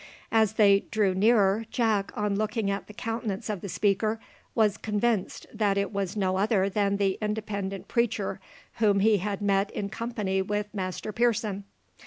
As they drew nearer, Jack, on looking at the countenance of the speaker, was convinced that it was no other than the Independent preacher whom he had met in company with Master Pearson.